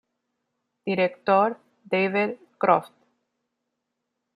Director: David Croft.